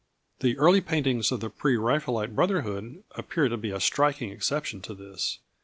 The early paintings of the Pre Raphaelite Brotherhood appear to be a striking exception to this.